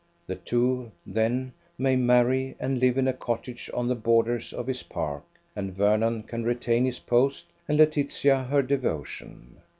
The two, then, may marry, and live in a cottage on the borders of his park; and Vernon can retain his post, and Laetitia her devotion.